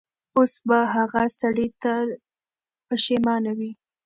اوس به هغه سړی تل پښېمانه وي.